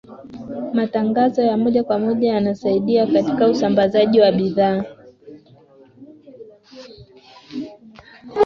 matangazo ya moja kwa moja yanasaidia katika usambazaji wa bidhaa